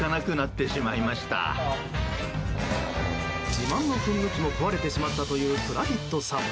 自慢の噴霧器も壊れてしまったというプラディットさん。